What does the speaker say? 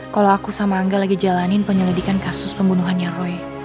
kalau aku sama angga lagi jalanin penyelidikan kasus pembunuhannya roy